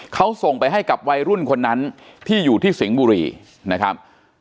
เขาส่งไปให้กับวัยรุ่นคนนั้นที่อยู่ที่สิงห์บุรีนะครับ